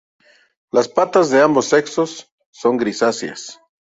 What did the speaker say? Las patas de ambos sexos son grisáceas.